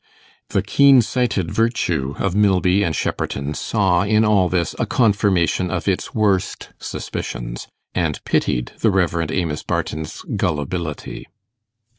The keen sighted virtue of Milby and Shepperton saw in all this a confirmation of its worst suspicions, and pitied the Rev. Amos Barton's gullibility.